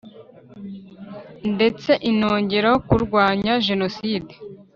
ndetse inongeraho kurwanya Jenoside.